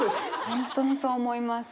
本当にそう思います。